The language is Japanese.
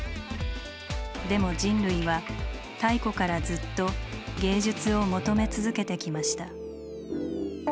でも人類は太古からずっと芸術を求め続けてきました。